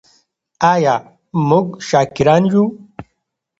آیا موږ شاکران یو؟